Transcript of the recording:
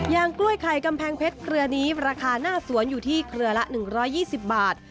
กล้วยไข่กำแพงเพชรเครือนี้ราคาหน้าสวนอยู่ที่เครือละ๑๒๐บาท